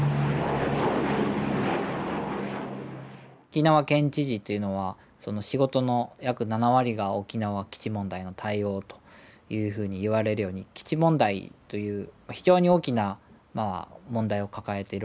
沖縄県知事というのは仕事の約７割が沖縄基地問題の対応というふうにいわれるように基地問題という非常に大きな問題を抱えているわけですね。